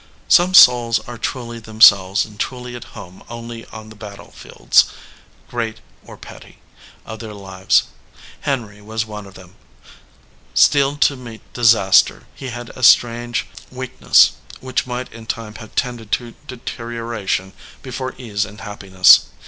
Some souls are truly themselves and truly at home only on the battle fields, great or petty, of their lives. Henry was one of them. Steeled to meet disaster, he had a strange weakness, which might in time have tended to deterioration before ease and happiness.